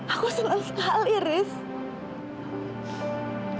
aku senang sekali riz